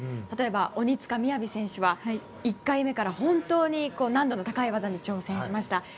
例えば鬼塚雅選手は１回目から本当に難度の高い技に挑戦しました。